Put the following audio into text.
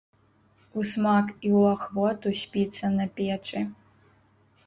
Усмак і ў ахвоту спіцца на печы.